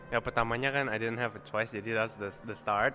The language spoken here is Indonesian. ya pertamanya kan i didn t have a choice jadi that s the start